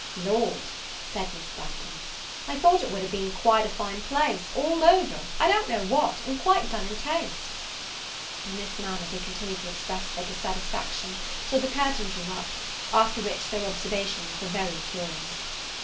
"Lord," said Miss Branghton, "I thought it would have been quite a fine place, all over, I don't know what, and done quite in taste." In this manner they continued to express their dissatisfaction till the curtain drew up; after which their observations were very curious.